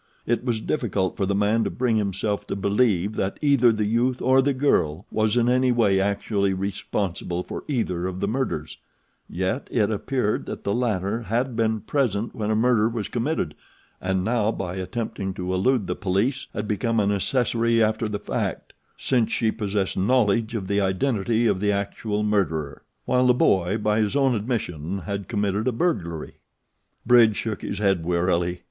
It was difficult for the man to bring himself to believe that either the youth or the girl was in any way actually responsible for either of the murders; yet it appeared that the latter had been present when a murder was committed and now by attempting to elude the police had become an accessory after the fact, since she possessed knowledge of the identity of the actual murderer; while the boy, by his own admission, had committed a burglary. Bridge shook his head wearily.